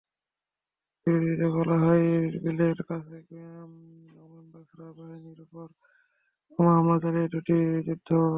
বিবৃতিতে বলা হয়, ইরবিলের কাছের গোলন্দাজ বাহিনীর ওপর বোমা হামলা চালিয়েছে দুটি যুদ্ধবিমান।